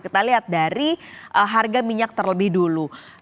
kita lihat dari harga minyak terlebih dulu